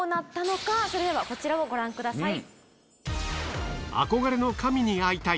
それではこちらをご覧ください。